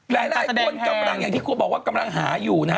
หลายคนกำลังอย่างที่กลัวบอกว่ากำลังหาอยู่นะฮะ